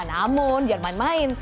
namun jangan main main